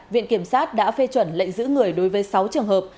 viện kiểm sát đã phê chuẩn lệnh giữ người đối với sáu trường hợp